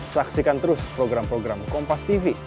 mungkin ini dari keraton itu mungkin inilah